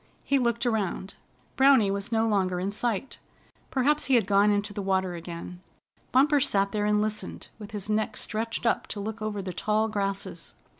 He looked around. Browny was no longer in sight. Perhaps he had gone into the water again. Bumper sat there and listened, with his neck stretched up to look over the tall grasses.